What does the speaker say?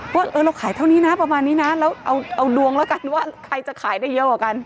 ว่าเราขายเท่านี้นะประมาณนี้นะแล้วเอาดวงแล้วกันว่าใครจะขายได้เยอะกว่ากัน